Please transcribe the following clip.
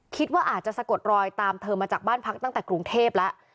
คิดว่าอาจจะสะกดรอยตามเธอมาจากบ้านพักตั้งแต่กรุงเทพแล้ว